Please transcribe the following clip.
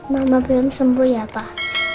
mama belum sembuh ya pak